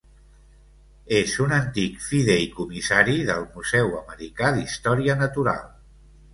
És un antic fideïcomissari del Museu Americà d'Història Natural.